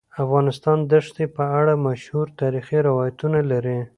افغانستان د ښتې په اړه مشهور تاریخی روایتونه لري.